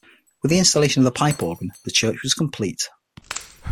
With the installation of a pipe organ, the church was complete.